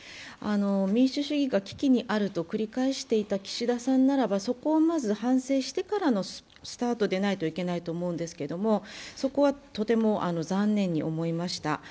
民主主義が危機にあると繰り返していた岸田さんならばそこをまず反省してからのスタートでないといけないと思うんですけれども、そこはとても残念に思いました。